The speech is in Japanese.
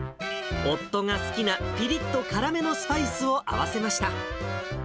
夫が好きな、ぴりっと辛めのスパイスを合わせました。